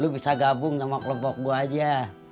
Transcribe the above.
lu bisa gabung sama kelompok gue aja